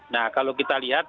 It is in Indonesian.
nah kalau kita lihat